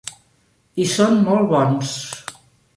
I són molt bons.